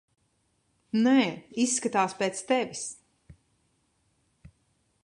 Nē, izskatās pēc tevis.